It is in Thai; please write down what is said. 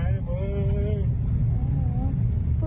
นี่